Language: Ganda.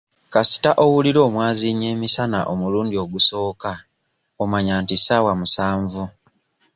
Kasita owulira omwaziinyi emisana omulundi ogusooka omanya nti ssaawa musanvu.